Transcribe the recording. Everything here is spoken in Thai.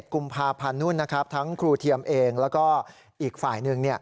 ๗กุมภาพันธุ์ทั้งครูเทียมเองแล้วก็อีกฝ่ายหนึ่ง